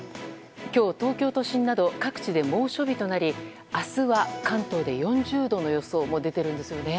今日、東京都心など各地で猛暑日となり明日は関東で４０度の予想も出ているんですね。